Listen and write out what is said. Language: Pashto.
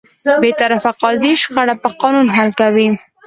بېطرفه قاضي شخړه په قانون حل کوي.